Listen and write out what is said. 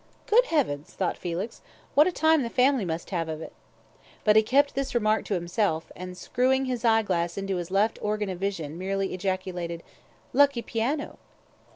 "Good heavens!" thought Felix, "what a time the family must have of it." But he kept this remark to himself, and, screwing his eye glass into his left organ of vision, merely ejaculated, "Lucky piano."